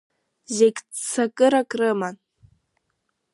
Зегь ццакырак рыман.